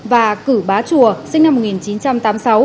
và cử bá chùa sinh năm một nghìn chín trăm tám mươi sáu